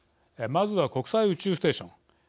まずは国際宇宙ステーション。